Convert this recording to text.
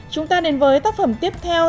chúng ta đến với tác phẩm tiếp theo